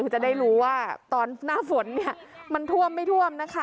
จะได้รู้ว่าตอนหน้าฝนเนี่ยมันท่วมไม่ท่วมนะคะ